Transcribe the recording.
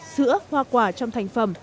sữa hoa quả trong thành phẩm